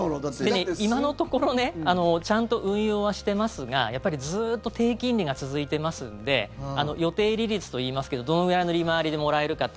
今のところちゃんと運用はしてますがやっぱりずっと低金利が続いてますので予定利率といいますけどどれくらいの利回りでもらえるかって。